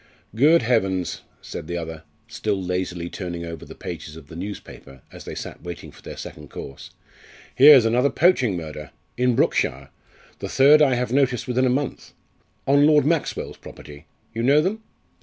"Good heavens!" said the other, still lazily turning over the pages of the newspaper as they sat waiting for their second course, "here is another poaching murder in Brookshire the third I have noticed within a month. On Lord Maxwell's property you know them?"